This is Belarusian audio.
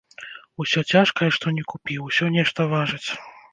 Усё цяжкае, што ні купі, усё нешта важыць.